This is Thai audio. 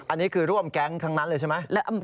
อันนี้คือร่วมแก๊งทั้งนั้นเลยใช่ไหม